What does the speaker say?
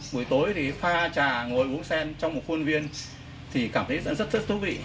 buổi tối thì pha trà ngồi bú sen trong một khuôn viên thì cảm thấy rất rất thú vị